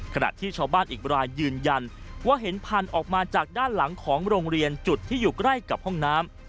ขณะที่ชาวบ้านอีกรายยืนยันว่าเห็นพันธุ์ออกมาจากด้านหลังของโรงเรียนจุดที่อยู่ใกล้กับห้องน้ำ